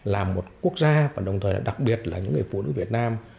là một quốc gia và đồng thời là đặc biệt là những người phụ nữ việt nam